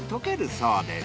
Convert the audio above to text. そうです。